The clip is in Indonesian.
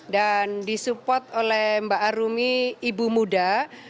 dan disupport oleh mbak arumi ibu muda